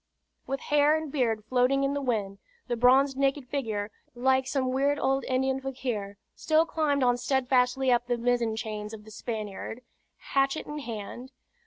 With hair and beard floating in the wind, the bronzed naked figure, like some weird old Indian fakir, still climbed on steadfastly up the mizzen chains of the Spaniard, hatchet in hand.